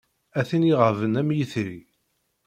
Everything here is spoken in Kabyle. A tin iɣaben am yitri.